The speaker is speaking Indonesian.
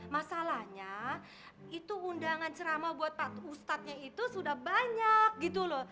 masalahnya itu undangan ceramah buat pak ustadznya itu sudah banyak gitu loh